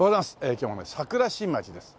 今日はね桜新町です。